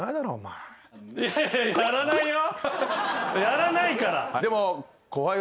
やらないから。